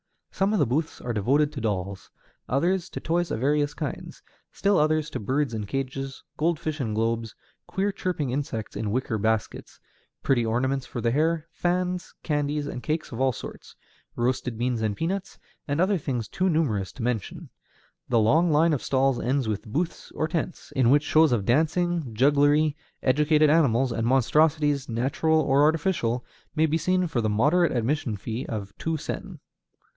Some of the booths are devoted to dolls; others to toys of various kinds; still others to birds in cages, goldfish in globes, queer chirping insects in wicker baskets, pretty ornaments for the hair, fans, candies, and cakes of all sorts, roasted beans and peanuts, and other things too numerous to mention. The long line of stalls ends with booths, or tents, in which shows of dancing, jugglery, educated animals, and monstrosities, natural or artificial, may be seen for the moderate admission fee of two sen.